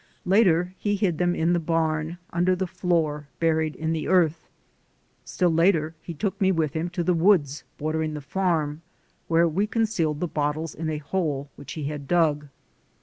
Later he hid them in the barn, under the floor, buried in the earth. Still later he took me with him to the woods bordering the farm, where we concealed the bottles in a hole which he had dug.